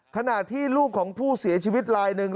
ขณะที่ลูกของผู้เสียชีวิตลายหนึ่ง